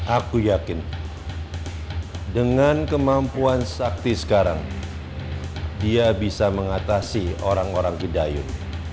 aku yakin dengan kemampuan sakti sekarang dia bisa mengatasi orang orang kidayun